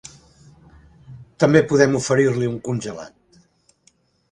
També podem oferir-li un congelat.